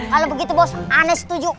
kalau begitu bos ane setuju